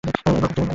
এগুলো খুব চিকন।